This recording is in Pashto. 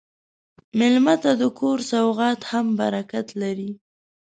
مېلمه ته د کور سوغات هم برکت لري.